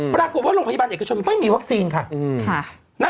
ปรากฏว่าโรงพยาบาลเอกชนไม่มีวัคซีนค่ะ